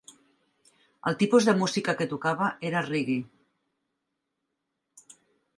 El tipus de música que tocava era reggae.